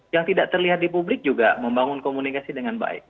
yang tidak terlihat di publik juga membangun komunikasi dengan baik